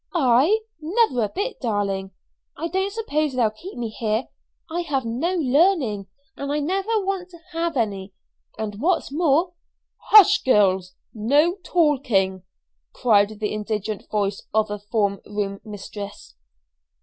"I? Never a bit, darling. I don't suppose they'll keep me here. I have no learning, and I never want to have any, and what's more " "Hush, girls! No talking," called the indignant voice of a form room mistress.